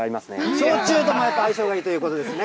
焼酎ともやっぱり相性がいいということですね。